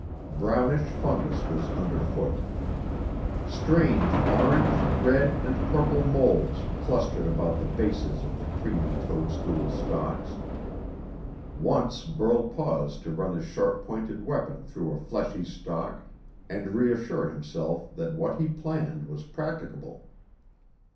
Brownish fungus was underfoot. Strange orange, red, and purple molds clustered about the bases of the creamy toadstool stalks. Once Burl paused to run his sharp pointed weapon through a fleshy stalk and reassure himself that what he planned was practicable.